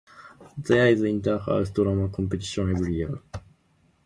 There is "Inter-House Drama Competition" every year.